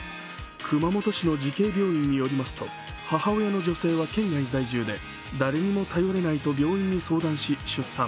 熊本市の慈恵病院によりますと、母親の女性は県外在住で誰にも頼れないと病院に相談し、出産。